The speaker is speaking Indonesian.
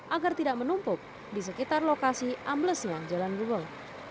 agar tidak menumpuk di sekitar lokasi amblesnya jalan gubeng